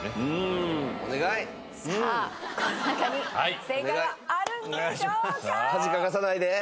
さあこの中に正解はあるんでしょうか？